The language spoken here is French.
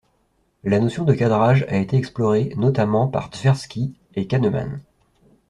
La notion de cadrage a été explorée notamment par Tversky et Kahneman.